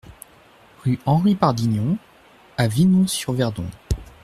Rue Henri Pardigon à Vinon-sur-Verdon